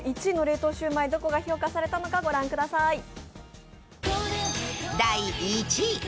１位の冷凍シュウマイ、どこが評価されたのか御覧ください。